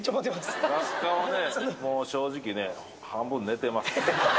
学科はね、もう正直ね、半分寝てます。